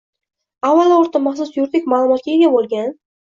Avvalo, oʻrta-maxsus yuridik maʼlumotga ega boʻlgan